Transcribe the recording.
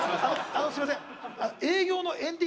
あのすいません